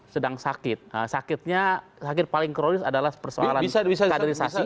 sedang sakit sakitnya sakit paling kronis adalah persoalan kaderisasi